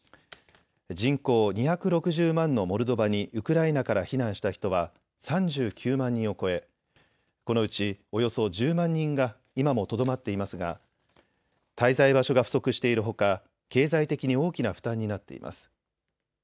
人口２６０万のモルドバにウクライナから避難した人は３９万人を超え、このうちおよそ１０万人が今もとどまっていますが滞在場所が不足しているほか経済的に大きな負担になっています。